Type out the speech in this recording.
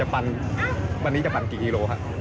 วันนี้จะปั่นกี่กิโลเมตรค่ะ